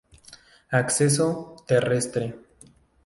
Acceso.- Terrestre.